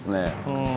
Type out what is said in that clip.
うん。